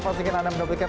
pastikan anda mendapatkan